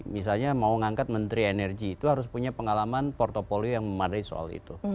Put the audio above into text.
misalnya mau ngangkat menteri energi itu harus punya pengalaman portfolio yang memadai soal itu